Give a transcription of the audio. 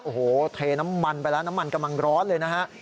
โอ้โหเทน้ำมันไปแล้วน้ำมันกำลังร้อนเลยนะฮะ